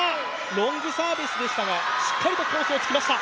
ロングサービスでしたがしっかりとコースを突きました。